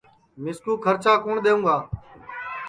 مِسکُو کھرچا کُوٹؔ دؔیوں گا